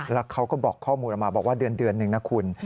แล้วเขาก็บอกข้อมูลออกมาบอกว่าเดือนหนึ่งนะคุณ